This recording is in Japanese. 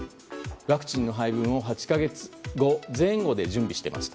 ワクチンの配分を８か月後前後で準備していますと。